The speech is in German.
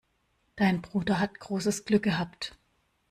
Dein Bruder hat großes Glück gehabt.